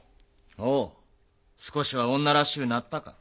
おう少しは女らしゅうなったか。